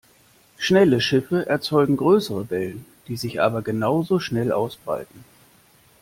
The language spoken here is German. Schnelle Schiffe erzeugen größere Wellen, die sich aber genauso schnell ausbreiten.